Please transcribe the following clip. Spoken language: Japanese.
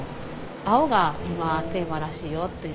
「青が今テーマらしいよ」って。